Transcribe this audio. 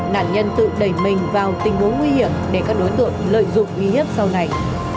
nạn nhân tự đẩy mình vào tình huống nguy hiểm để các đối tượng lợi dụng uy hiếp sau này